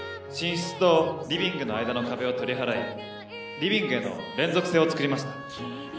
寝室とリビングの間の壁を取り払いリビングへの連続性をつくりました。